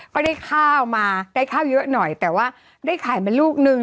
ก็ได้ข้าวมาได้ข้าวเยอะหน่อยแต่ว่าได้ขายมาลูกนึง